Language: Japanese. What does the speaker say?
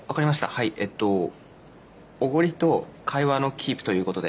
はいえっとおごりと会話のキープということで？